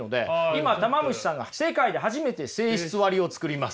今たま虫さんが世界で初めて性質割を作ります。